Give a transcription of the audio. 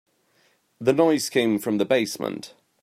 The noise came from the basement.